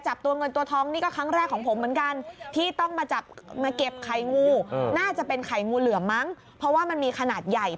จับเงินตัวท้องนี่ก็ครั้งแรกของผมเหมือนกัน